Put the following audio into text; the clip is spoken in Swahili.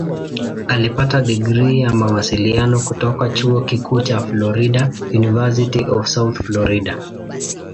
Alipata digrii ya Mawasiliano kutoka Chuo Kikuu cha Florida "University of South Florida".